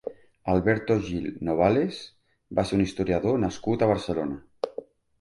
Alberto Gil Novales va ser un historiador nascut a Barcelona.